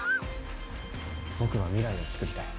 僕は未来をつくりたい。